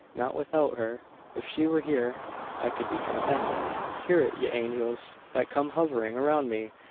Not without her. If she were here, I could be content. Hear it, ye angels, that come hovering around me!